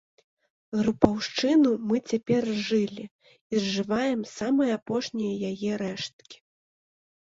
Групаўшчыну мы цяпер зжылі і зжываем самыя апошнія яе рэшткі.